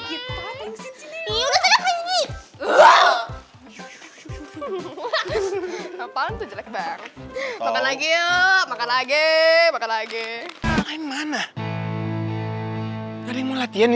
kita yang sini sini